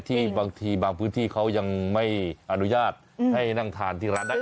ที่บางทีบางพื้นที่เขายังไม่อนุญาตให้นั่งทานที่ร้านได้